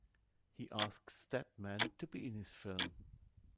He asked Steadman to be in his film.